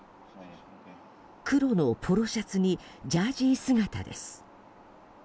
黒のポロシャツにジャージー姿です。